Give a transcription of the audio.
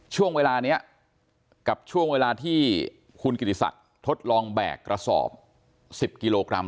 ช่วงเวลานี้กับช่วงเวลาที่คุณกิติศักดิ์ทดลองแบกกระสอบ๑๐กิโลกรัม